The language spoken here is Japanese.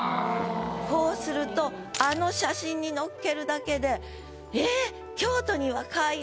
こうするとあの写真に載っけるだけで「ええ京都に若鮎？」。